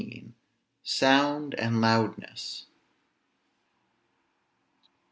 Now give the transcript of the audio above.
SOUND AND LOUDNESS.